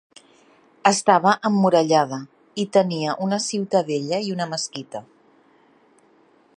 Estava emmurallada, i tenia una ciutadella i una mesquita.